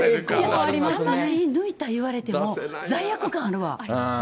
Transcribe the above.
魂抜いたいわれても、罪悪感ありますね。